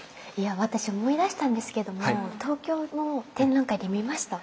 私思い出したんですけども東京の展覧会で見ました！